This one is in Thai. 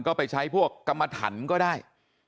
ก็ไปใช้พวกกรรมถันก็ได้